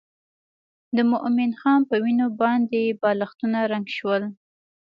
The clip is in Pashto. د مومن خان په وینو باندې بالښتونه رنګ شول.